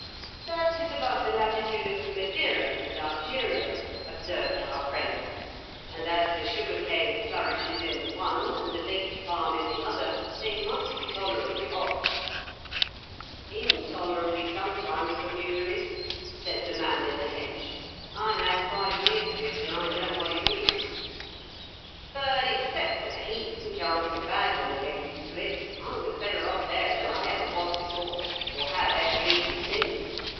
"That is about the latitude of Madeira and Algeria," observed our friend, "and as the sugar cane flourishes in the one, and the date palm in the other, they must be tolerably hot" " Intolerably sometimes Bermuda is," said the man in the hedge. " I had five years of it, and I know what it is. But, except for the heat, which aren't so bad when you get used to it, I was better off there than I ever was before, or have ever been since.